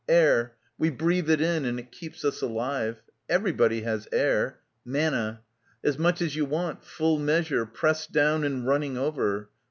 Air; we breathe it in and it keeps us alive. Everybody has air. Manna. As much as you want, full measure, pressed down and running over.